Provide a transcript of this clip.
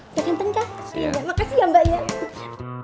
udah kenteng kah